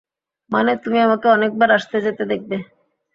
মানে, তুমি আমাকে অনেকবার আসতে-যেতে দেখবে।